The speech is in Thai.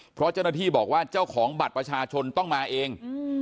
เพราะเจ้าหน้าที่บอกว่าเจ้าของบัตรประชาชนต้องมาเอง